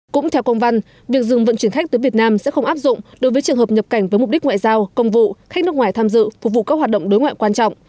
cũng theo công văn việc dừng vận chuyển khách tới việt nam sẽ không áp dụng đối với trường hợp nhập cảnh với mục đích ngoại giao công vụ khách nước ngoài tham dự phục vụ các hoạt động đối ngoại quan trọng